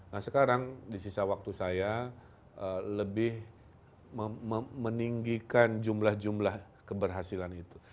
nah sekarang di sisa waktu saya lebih meninggikan jumlah jumlah keberhasilan itu